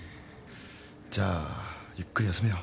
じゃあゆっくり休めよ。